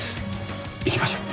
行きましょう。